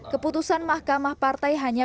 keputusan mahkamah partai hanya